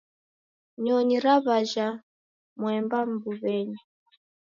Nyonyi raw'ajha mwemba mbuw'enyi.